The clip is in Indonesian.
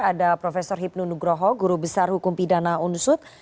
ada prof hipnu nugroho guru besar hukum pidana unsut